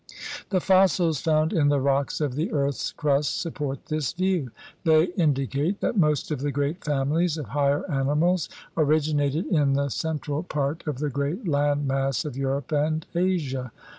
The fossils found in the rocks of the earth's crust support this view. They indicate that most of the great families of higher animals originated in the central part of the great land mass of Europe and Asia.